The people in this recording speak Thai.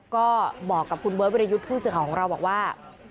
ก็บอกกับคุณเบิ้ลวิทยุทธิ์ภูมิศึกษาของเราบอกว่า